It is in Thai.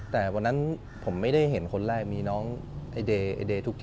แต่วันนั้นผมไม่ได้เห็นคนแรก